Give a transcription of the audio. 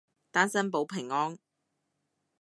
單身保平安